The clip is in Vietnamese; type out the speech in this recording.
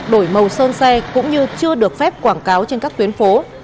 đổi màu sơn xe cũng như chưa được phép quảng cáo trên các tuyến phố